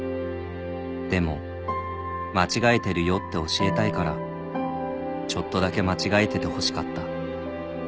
「でも間違えてるよって教えたいからちょっとだけ間違えててほしかった」